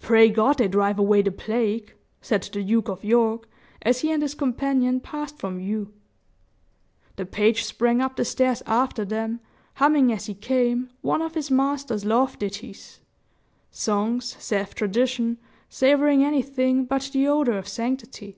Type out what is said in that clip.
"Pray God they drive away the plague!" said the Duke of York, as he and his companion passed from view. The page sprang up the stairs after them, humming as he came, one of his master's love ditties songs, saith tradition, savoring anything but the odor of sanctity.